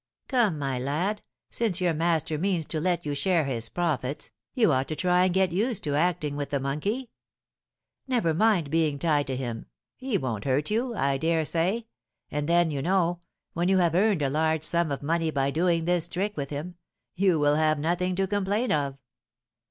"'Come, my lad, since your master means to let you share his profits, you ought to try and get used to acting with the monkey; never mind being tied to him, he won't hurt you, I dare say, and then, you know, when you have earned a large sum of money by doing this trick with him, you will have nothing to complain of.'